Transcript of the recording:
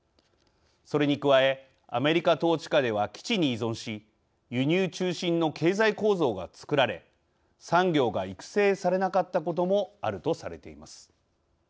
それに加えアメリカ統治下では基地に依存し輸入中心の経済構造がつくられ産業が育成されなかったこともあるとされています。